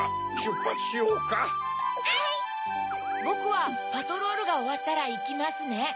ぼくはパトロールがおわったらいきますね。